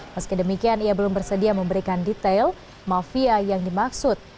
meski demikian ia belum bersedia memberikan detail mafia yang dimaksud